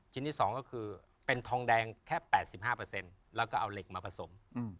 ชิ้นที่๒ก็คือเป็นทองแดงแค่๘๕แล้วก็เอาเหล็กมาผสม